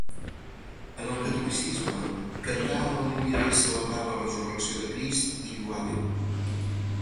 En el catolicisme cantar al·leluia és celebrar la resurrecció de Crist i lloar Déu.